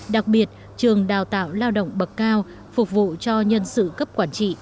đặc biệt trường đào tạo lao động bậc cao phục vụ cho nhân sự cấp quản trị